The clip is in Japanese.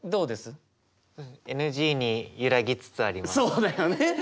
そうだよね。